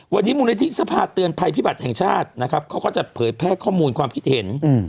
วันนี้มูลนิธิสภาเตือนภัยพิบัติแห่งชาตินะครับเขาก็จะเผยแพร่ข้อมูลความคิดเห็น